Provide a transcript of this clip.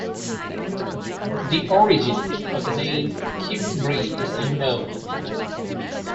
The origin of the name "Cimbri" is unknown.